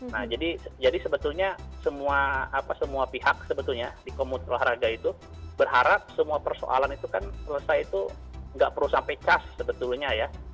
nah jadi sebetulnya semua pihak sebetulnya di komunitas olahraga itu berharap semua persoalan itu kan selesai itu nggak perlu sampai cas sebetulnya ya